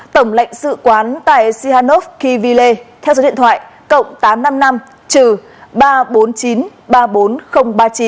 tổng lệnh sự quán tại sihanouk kivile theo số điện thoại cộng tám trăm năm mươi năm ba trăm bốn mươi chín ba mươi bốn nghìn ba mươi chín